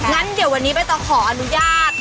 งั้นเดี๋ยววันนี้ใบตองขออนุญาต